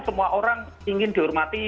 semua orang ingin dihormati